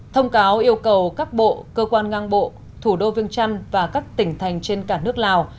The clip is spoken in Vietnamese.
thông cáo yêu cầu các bộ cơ quan ngang bộ thủ đô viêng trăn và các tỉnh thành trên cả nước lào